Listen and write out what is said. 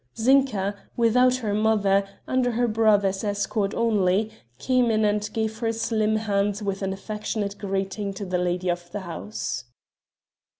Zinka, without her mother, under her brother's escort only, came in and gave her slim hand with an affectionate greeting to the lady of the house.